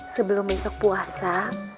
sebelum besok puasa